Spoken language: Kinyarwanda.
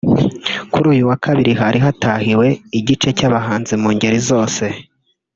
Kuri uyu wa Kabiri hari hatahiwe igice cy’abahanzi mu ngeri zose